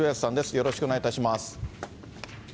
よろしくお願いします。